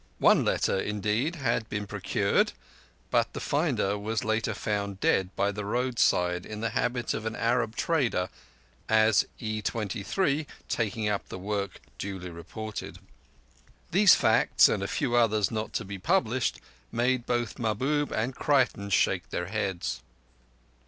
One letter indeed had been procured, but the finder was later found dead by the roadside in the habit of an Arab trader, as E.23, taking up the work, duly reported. These facts, and a few others not to be published, made both Mahbub and Creighton shake their heads.